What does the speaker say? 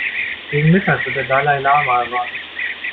Gegen Mittag wird der Dalai-Lama erwartet.